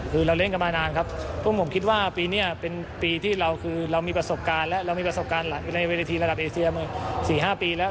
คือเราเล่นกันมานานครับพวกผมคิดว่าปีนี้เป็นปีที่เราคือเรามีประสบการณ์และเรามีประสบการณ์ในเวทีระดับเอเซียมา๔๕ปีแล้ว